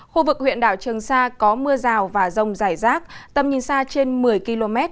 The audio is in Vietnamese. khu vực huyện đảo trường sa có mưa rào và rông rải rác tầm nhìn xa trên một mươi km